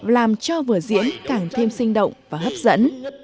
làm cho vở diễn càng thêm sinh động và hấp dẫn